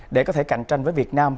để có thể cạnh tranh với việt nam